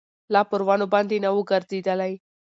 لا پر ونو باندي نه ووګرځېدلی